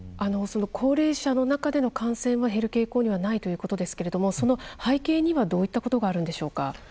高齢者の中での感染は減る傾向にはないということですがその背景にはどういったことがあるんでしょうか？